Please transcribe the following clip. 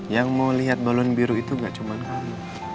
yang mau lihat balon biru itu gak cuma kami